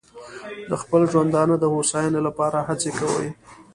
د خپل ژوندانه د هوساینې لپاره هڅې کوي.